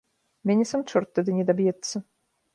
Мяне сам чорт тады не даб'ецца.